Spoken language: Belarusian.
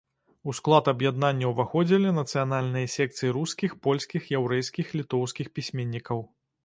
У склад аб'яднання ўваходзілі нацыянальныя секцыі рускіх, польскіх, яўрэйскіх, літоўскіх пісьменнікаў.